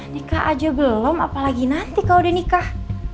nikah aja belum apalagi nanti kalau udah nikah